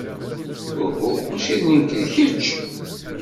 Uhu, maci d nekk, d kečč!